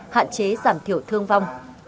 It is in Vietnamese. hạn chế giảm thiểu thương vong